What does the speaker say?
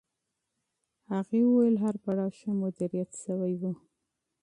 هغې وویل هر پړاو ښه مدیریت شوی و.